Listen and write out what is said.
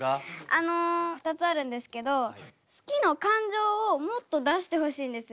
あの２つあるんですけど「好き」の感情をもっと出してほしいんですよ。